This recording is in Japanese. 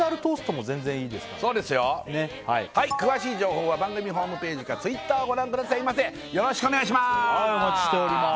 はい詳しい情報は番組ホームページかＴｗｉｔｔｅｒをご覧くださいませよろしくお願いします